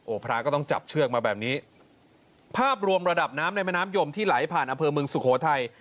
พระก็ต้องจับเชือกมาแบบนี้ภาพรวมระดับน้ำในแม่น้ำยมที่ไหลผ่านอำเภอเมืองสุโขทัย